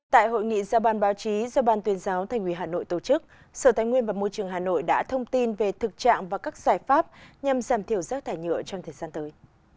tại hội nghị giao ban báo chí do ban tuyên giáo thành ủy hà nội tổ chức sở tài nguyên và môi trường hà nội đã thông tin về thực trạng và các giải pháp nhằm giảm thiểu rác thải nhựa trong thời gian tới